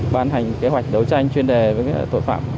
ban hành kế hoạch đấu tranh chuyên đề với tội phạm